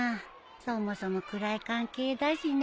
そもそも暗い関係だしね